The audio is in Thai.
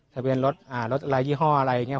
ทะเบียนรถละยี่ห้ออะไรน่ะ